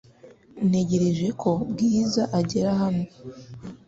Ntegereje ko Bwiza agera hano .